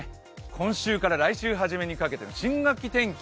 今週から来週初めにかけての新学期天気